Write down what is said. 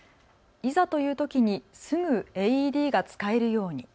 いざというときにすぐＡＥＤが使えるように。